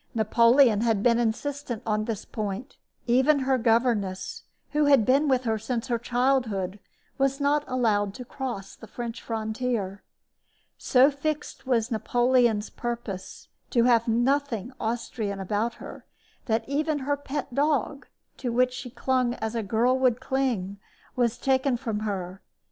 Napoleon had been insistent on this point. Even her governess, who had been with her since her childhood, was not allowed to cross the French frontier. So fixed was Napoleon's purpose to have nothing Austrian about her, that even her pet dog, to which she clung as a girl would cling, was taken from her.